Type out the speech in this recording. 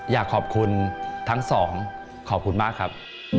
อยากขอบคุณทั้งสองขอบคุณมากครับ